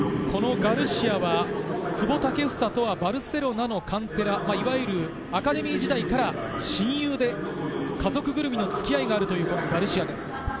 ガルシアは久保建英とはバルセロナのカンテラ、アカデミー時代から親友で、家族ぐるみの付き合いがあるというガルシアです。